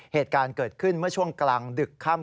เหตุการณ์เกิดขึ้นเมื่อช่วงกลางดึกค่ำ